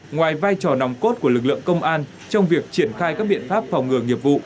ngoài vai trò nòng cốt của lực lượng công an trong việc triển khai các biện pháp phòng ngừa nghiệp vụ